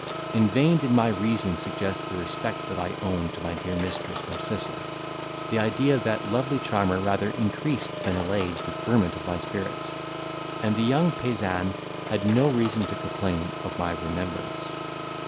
In vain did my reason suggest the respect that I owed to my dear mistress Narcissa; the idea of that lovely charmer rather increased than allayed the ferment of my spirits; and the young paysanne had no reason to complain of my remembrance.